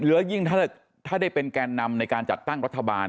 แล้วยิ่งถ้าได้เป็นแกนนำในการจัดตั้งรัฐบาล